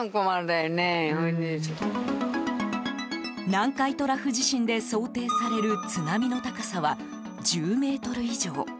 南海トラフ地震で想定される津波の高さは１０ｍ以上。